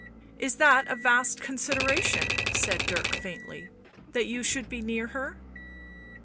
..." "Is that a vast consideration?" said Dirk faintly. " That you should be near her